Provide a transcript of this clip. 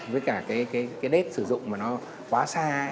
với cả cái đết sử dụng mà nó quá xa ấy